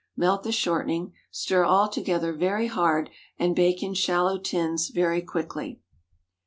Melt the shortening. Stir all together very hard, and bake in shallow tins very quickly.